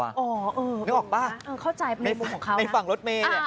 นึกออกไหมในฝั่งรถเมย์